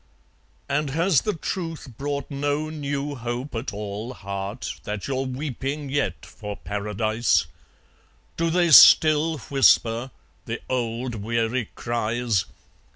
...) And has the truth brought no new hope at all, Heart, that you're weeping yet for Paradise? Do they still whisper, the old weary cries?